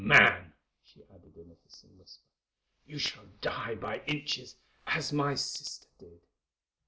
Man!" she added in a hissing whisper, "you shall die by inches as my sister did."